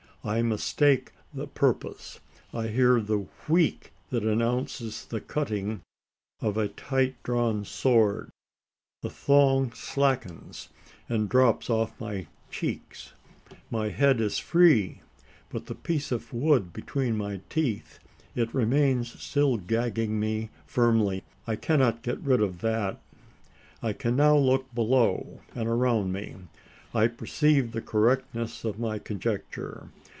I mistake the purpose. I hear the "wheek" that announces the cutting of a tight drawn cord. The thong slackens, and drops off from my cheeks. My head is free: but the piece of wood between my teeth it remains still gagging me firmly. I cannot get rid of that. I can now look below, and around me. I perceive the correctness of my conjecture.